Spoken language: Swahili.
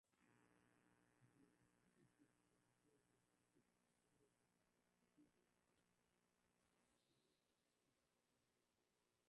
zinahitaji kuekeza katika uwezo wa kupima na kufuatilia uchafuzi wa hewa